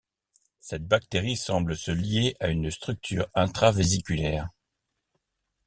Cette bactérie semble se lier à une structure intra vésiculaire.